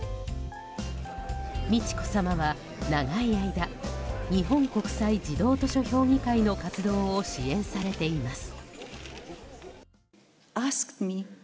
美智子さまは長い間日本国際児童図書評議会の活動を支援されています。